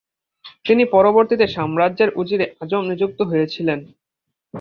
তিনি পরবর্তীতে সাম্রাজ্যের উজিরে আজম নিযুক্ত হয়েছিলেন।